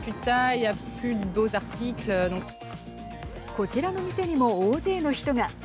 こちらの店にも大勢の人が。